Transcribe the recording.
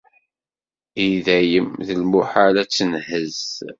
I dayem, d lmuḥal ad tenhezz.